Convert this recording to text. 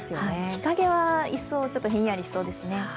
日陰は一層ひんやりしそうですね。